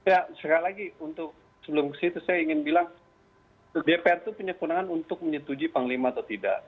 ya sekali lagi untuk sebelum ke situ saya ingin bilang dpr itu punya kewenangan untuk menyetujui panglima atau tidak